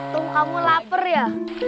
tung kamu lapar ya